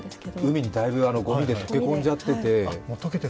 海にだいぶごみで溶け込んじゃって。